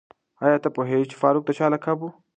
آیا ته پوهېږې چې فاروق د چا لقب و؟